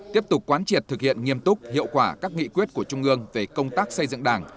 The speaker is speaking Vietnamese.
tiếp tục quán triệt thực hiện nghiêm túc hiệu quả các nghị quyết của trung ương về công tác xây dựng đảng